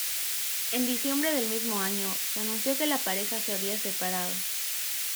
En diciembre del mismo año se anunció que la pareja se había separado.